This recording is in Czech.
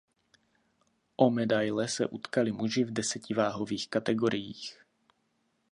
O medaile se utkali muži v deseti váhových kategoriích.